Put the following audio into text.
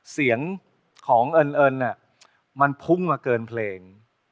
เสียงของเอิญมันพุ่งมาเกินเพลง